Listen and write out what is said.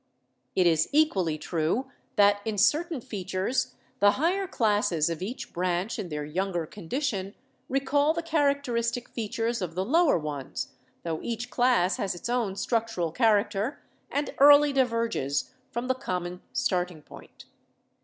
It is equally true tha.t in certain fea tures the higher classes of each branch in their younger condition recall the characteristic features of the lower ones, tho each class has its own structural character, and early diverges from the common starting point.